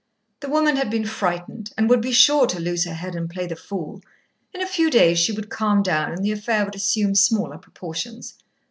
The woman had been frightened, and would be sure to lose her head and play the fool. In a few days she would calm down and the affair would assume smaller proportions.